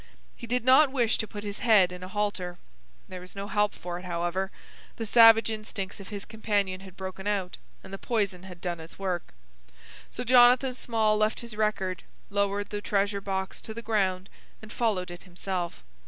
He did not wish to put his head in a halter. There was no help for it, however: the savage instincts of his companion had broken out, and the poison had done its work: so Jonathan Small left his record, lowered the treasure box to the ground, and followed it himself.